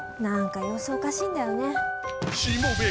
何か様子おかしいんだよね。